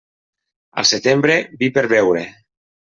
Al setembre, vi per beure.